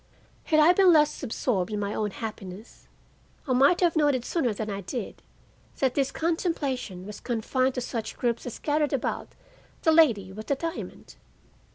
Had I been less absorbed in my own happiness I might have noted sooner than I did that this contemplation was confined to such groups as gathered about the lady with the diamond.